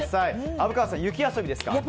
虻川さん、雪遊びですか。